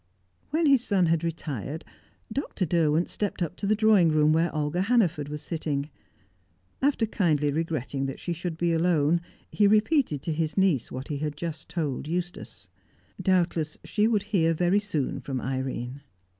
When his son had retired, Dr. Derwent stepped up to the drawing room, where Olga Hannaford was sitting. After kindly regretting that she should be alone, he repeated to his niece what he had just told Eustace. Doubtless she would here very soon from Irene.